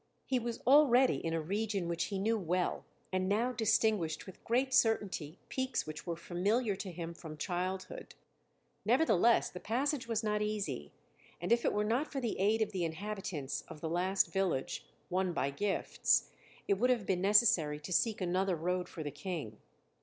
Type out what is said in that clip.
He was already in a region which he knew well and now distinguished with great certainty peaks which were familiar to him from childhood. Nevertheless, the passage was not easy, and if it were not for the aid of the inhabitants of the last village, won by gifts, it would have been necessary to seek another road for the King.